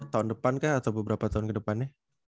tahun depan kah atau beberapa tahun ke depannya